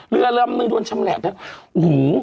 เรือลำมือโดนชำแหลกแล้ว